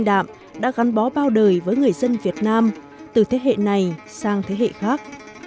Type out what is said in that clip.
đạm đã gắn bó bao đời với người dân việt nam từ thế hệ này sang thế hệ khác